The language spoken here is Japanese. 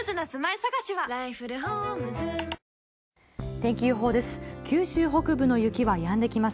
天気予報です。